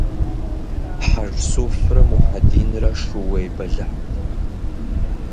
Хьэжсуфрэ Мухьэдинрэ шууей бэлыхьт.